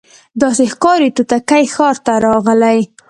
داسي ښکاري توتکۍ ښار ته راغلې